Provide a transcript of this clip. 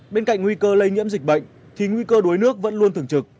bên cạnh nguy cơ lây nhiễm dịch bệnh thì nguy cơ đuối nước vẫn luôn thường trực